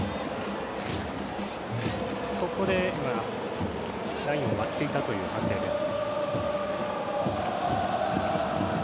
ここで今ラインを割っていたという判定です。